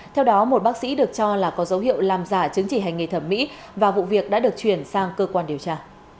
theo đó một bác sĩ được cho là có dấu hiệu làm giả chứng chỉ hành nghề thẩm mỹ và vụ việc đã được chuyển sang cơ quan điều tra